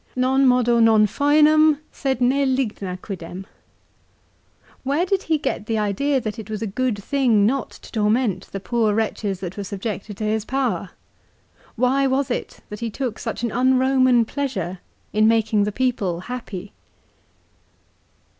" Non modo non faenum, sed ne ligna quidem !" Where did he get the idea that it was a good thing not to torment the poor wretches that were subjected to his power ? Why was it that he took such an un Koman pleasure in making the people happy